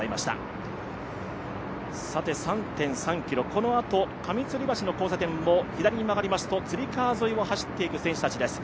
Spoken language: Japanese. ３．３ｋｍ、このあと上釣橋の交差点を曲がっていきますと釣川沿いを走っていく選手たちです。